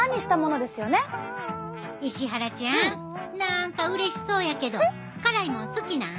石原ちゃん何かうれしそうやけど辛いもん好きなん？